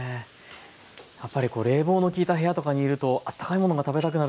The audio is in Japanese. やっぱりこう冷房の利いた部屋とかにいると温かいものが食べたくなる時もありますよね。